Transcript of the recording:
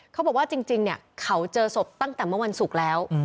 เขาบอกว่าจริงเขาเจอศพตั้งแต่เมื่อวันศุกร์แล้ว